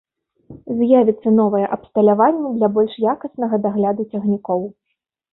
З'явіцца новае абсталяванне для больш якаснага дагляду цягнікоў.